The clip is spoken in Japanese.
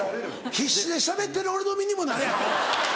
必死でしゃべってる俺の身にもなれアホ。